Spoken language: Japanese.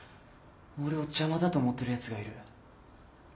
俺を邪魔だと思ってるやつがいる。